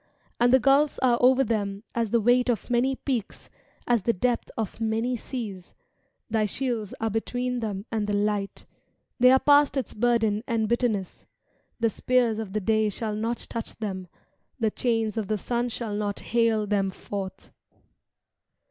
And the gulfs are over them As the weight of many peaks. As the depth of many seas; Thy shields are between them and the light; They are past its burden and bitterness; The spears of the day shall not touch them. The chains of the sun shall not hale them forth.